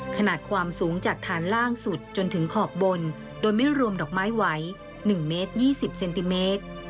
ขนาดความสูงจากฐานล่างสุดจนถึงขอบบนโดยไม่รวมดอกไม้ไหว๑เมตร๒๐เซนติเมตร